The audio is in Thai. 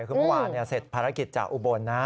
คือเมื่อวานเสร็จภารกิจจากอุบลนะ